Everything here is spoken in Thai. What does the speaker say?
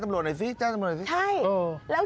แจ้งไปนู่นแจ้งไปอีกคนไหนแจ้งตัว